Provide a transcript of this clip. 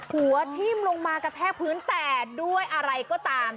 หัวทิ้งลงมากระแท้ด้วยอะไรก็ตาม